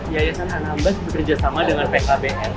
yayasan anambas bekerja sama dengan pkbn